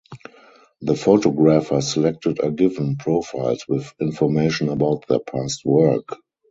The photographers selected are given profiles with information about their past work.